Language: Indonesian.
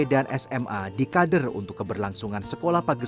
selain anak anak wintaus aksa juga bisa memperoleh makanan yang bisa dikelola sendiri